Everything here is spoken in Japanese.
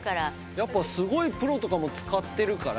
やっぱりすごいプロとかも使っているから。